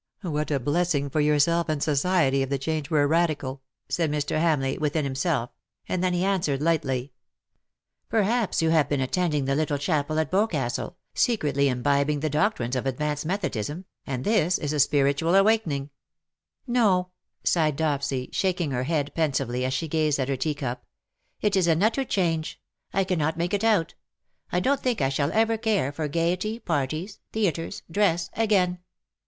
" What a blessing for yourself and society if the change were radical," said Mr. Hamlcigh, within himself; and then he answered, lightly. 252 *^WHO KNOWS NOT CIRCE?" ^^ Perhaps you have been attending the little chapel at Boscastle^ secretly imbibing the doctrines of advanced Methodism,, and this is a spiritual awakening/' *^^No/' sighed Dopsy, shaking her head, pensively, as she gazed at her teacup. " It is an utter change. I cannot make it out. I don^'t think I shall ever care for gaiety — parties — theatres — dress — again.